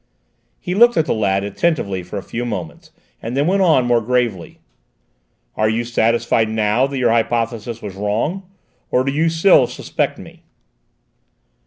He looked at the lad attentively for a few moments, and then went on more gravely: "Are you satisfied now that your hypothesis was wrong? Or do you still suspect me?"